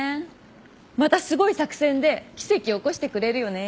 またすごい作戦で奇跡を起こしてくれるよね